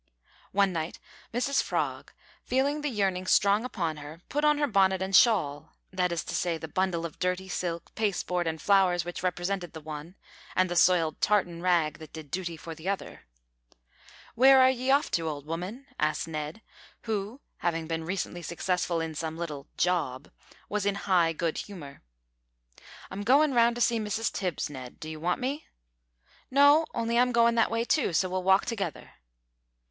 One night Mrs Frog, feeling the yearning strong upon her, put on her bonnet and shawl that is to say, the bundle of dirty silk, pasteboard, and flowers which represented the one, and the soiled tartan rag that did duty for the other. "Where are ye off to, old woman?" asked Ned, who, having been recently successful in some little "job," was in high good humour. "I'm goin' round to see Mrs Tibbs, Ned. D'you want me?" "No, on'y I'm goin' that way too, so we'll walk together."